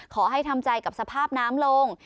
ขอให้ทำใจกับสภาพน้ำลง